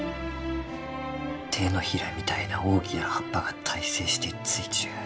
手のひらみたいな大きな葉っぱが対生してついちゅう。